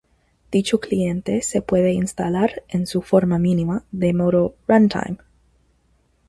Dicho cliente se puede instalar en su forma mínima, de modo "Runtime".